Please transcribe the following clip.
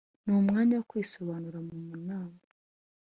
N umwanya wo kwisobanura mu nama